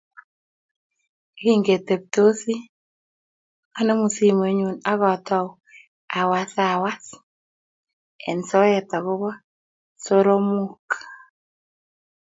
Ye kingeteptosi, anemu simoinyu ak atou awaswas eng soet akobo soromook.